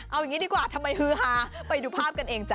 เอาอย่างนี้ดีกว่าทำไมฮือฮาไปดูภาพกันเองจ้